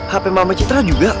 hape mama citra juga